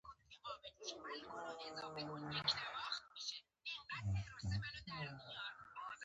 چې بې علمه کار کوينه - د ړانده په مخ کې ناڅي